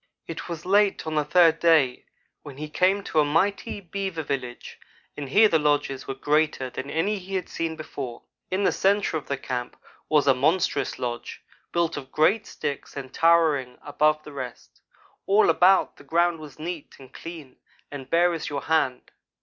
"It was late on the third day when he came to a mighty beaver village and here the lodges were greater than any he had ever seen before. In the centre of the camp was a monstrous lodge built of great sticks and towering above the rest. All about, the ground was neat and clean and bare as your hand.